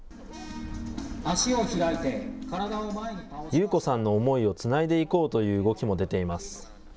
優子さんの思いをつないでいこうという動きも出ています。